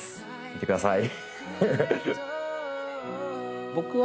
見てください